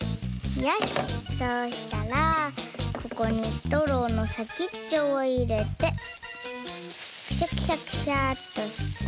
よしそうしたらここにストローのさきっちょをいれてクシャクシャクシャッとして。